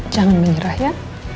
jangan menyerah ya